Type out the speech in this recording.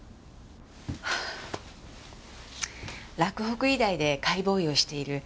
洛北医大で解剖医をしている風